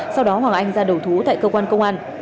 sau đó hoàng anh ra đầu thú tại cơ quan công an